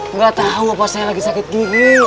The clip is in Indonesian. nggak tahu apa saya lagi sakit gini